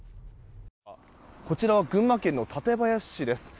こちらは群馬県の館林市です。